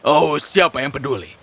oh siapa yang peduli